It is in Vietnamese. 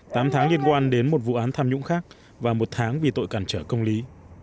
tám tháng liên quan đến một vụ án tham nhũng khác và một tháng vì tội cản trở công lý